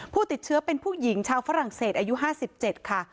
ผู้ติดเชื้อเป็นผู้หญิงชาวฝรั่งเศสอายุ๕๗ค่ะ